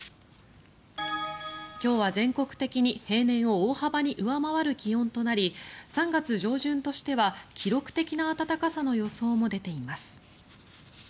今日は全国的に平年を大幅に上回る気温となり３月上旬としては記録的な暖かさの予想も出ています。